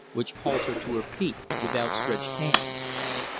which called her to her feet with outstretched hands.